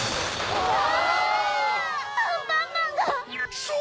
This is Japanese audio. うわ！